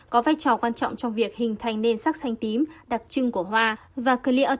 có vai trò quan trọng trong việc hình thành nền sắc xanh tím đặc trưng của hoa